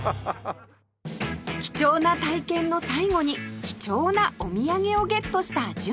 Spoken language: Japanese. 貴重な体験の最後に貴重なお土産をゲットした純ちゃん